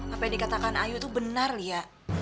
apa yang dikatakan ayu tuh benar li ya